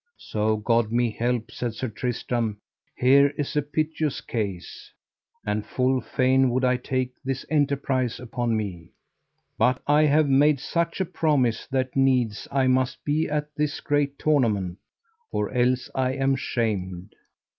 So God me help, said Sir Tristram, here is a piteous case, and full fain would I take this enterprise upon me; but I have made such a promise that needs I must be at this great tournament, or else I am shamed.